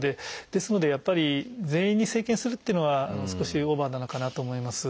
ですのでやっぱり全員に生検するっていうのは少しオーバーなのかなと思います。